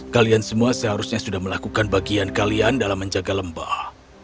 kalian semua seharusnya sudah melakukan bagian kalian dalam menjaga lembah